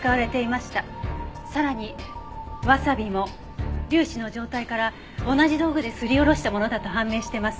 さらにワサビも粒子の状態から同じ道具ですりおろしたものだと判明してます。